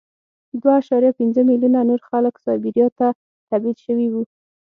دوه اعشاریه پنځه میلیونه نور خلک سایبریا ته تبعید شوي وو